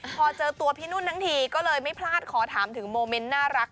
พอเจอตัวพี่นุ่นทั้งทีก็เลยไม่พลาดขอถามถึงโมเมนต์น่ารัก